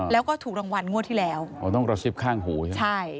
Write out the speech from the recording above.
แล้วก็ถูกรางวัลงวดที่แล้วอ๋อต้องกระซิบข้างหูใช่ไหมใช่